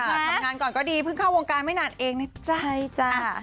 ทำงานก่อนก็ดีเพิ่งเข้าวงการไม่นานเองนะจ๊ะ